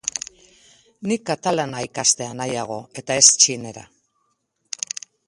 Nik katalana ikastea nahiago eta ez txinera.